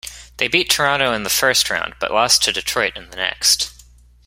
They beat Toronto in the first round, but lost to Detroit in the next.